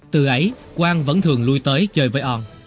từ ấy quang vẫn thường lui tới chơi với on